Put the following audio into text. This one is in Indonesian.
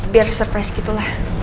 biar suprise gitulah